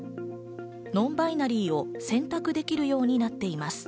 ノンバイナリーを選択できるようになっています。